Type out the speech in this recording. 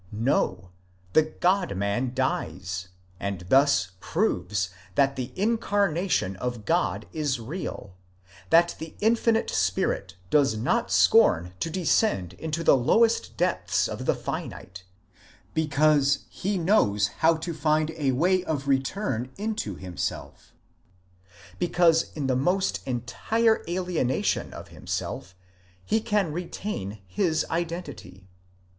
No: the God man dies, and thus proves that the incarnation of God is real, that the infinite spirit does not scorn to descend into the lowest depths of the finite, because he knows how to find a way of return into himself, because in the most entire alienation of himself, he can retain his identity.